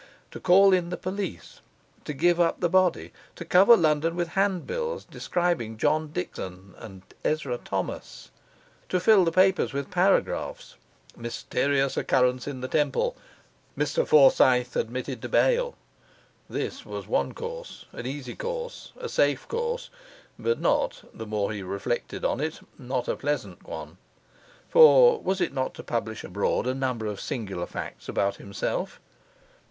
To call in the police, to give up the body, to cover London with handbills describing John Dickson and Ezra Thomas, to fill the papers with paragraphs, Mysterious Occurrence in the Temple Mr Forsyth admitted to bail, this was one course, an easy course, a safe course; but not, the more he reflected on it, not a pleasant one. For, was it not to publish abroad a number of singular facts about himself?